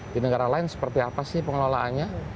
di negara lain seperti apa sih pengelolaannya